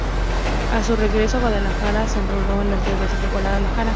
A su regreso a Guadalajara se enroló en las Reservas del Guadalajara.